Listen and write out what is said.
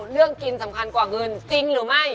อย่างมีภาพความสำคัญกว่าเงินจริงหรือไม่